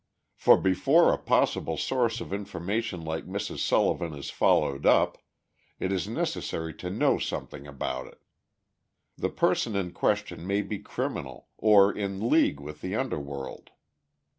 For before a possible source of information like Mrs. Sullivan is followed up, it is necessary to know something about it. The person in question may be criminal, or in league with the underworld.